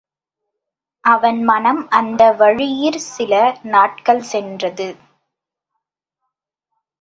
அவன் மனம் அந்த வழியிற் சில நாள்கள் சென்றது.